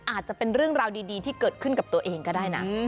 อาจจะเป็นเรื่องราวดีที่เกิดขึ้นกับตัวเองก็ได้นะ